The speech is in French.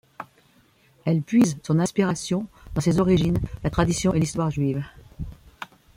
Elle puise son inspiration dans ses origines, la tradition et l'histoire juives.